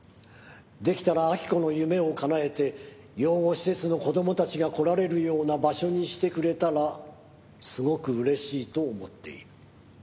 「出来たら亜木子の夢をかなえて養護施設の子供たちが来られるような場所にしてくれたらすごく嬉しいと思っている」